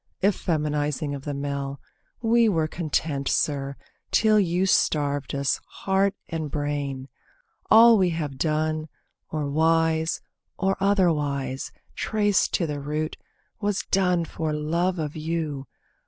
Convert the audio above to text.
Effeminising of the male. We were Content, sir, till you starved us, heart and brain. All we have done, or wise, or otherwise, Traced to the root, was done for love of you.